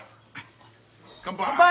乾杯！